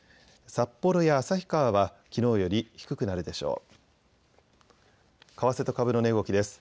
札幌や旭川はきのうより低くなるでしょう。